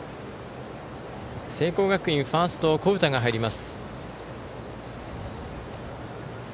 聖光学院、ファーストに古宇田が入ります。